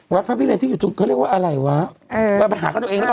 วัดพระพิเรนที่อยู่ตรงนี้เขาเรียกว่าอะไรวะ